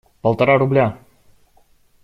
Полтора рубля!